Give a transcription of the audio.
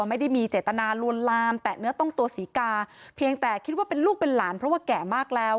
ไม่ได้มีเจตนาลวนลามแตะเนื้อต้องตัวศรีกาเพียงแต่คิดว่าเป็นลูกเป็นหลานเพราะว่าแก่มากแล้ว